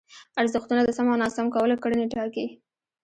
ارزښتونه د سم او ناسم کولو کړنې ټاکي.